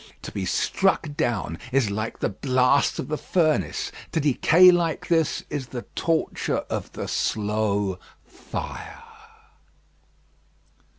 To be struck down is like the blast of the furnace; to decay like this is the torture of the slow fire.